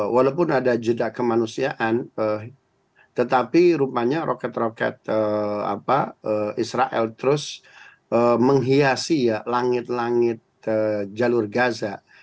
walaupun ada jeda kemanusiaan tetapi rupanya roket roket israel terus menghiasi ya langit langit jalur gaza